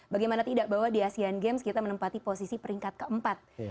bagaimana tidak bahwa di asean games kita menempati posisi peringkat keempat